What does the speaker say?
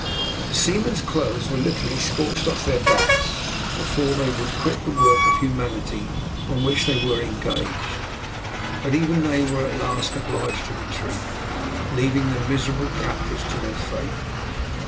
The seamen's clothes were literally scorched off their backs before they would quit the work of humanity on which they were engaged, but even they were at last obliged to retreat, leaving the miserable captives to their fate.